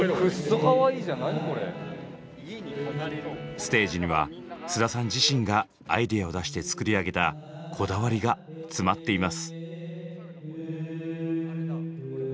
ステージには菅田さん自身がアイデアを出して作り上げたこだわりが詰まっています。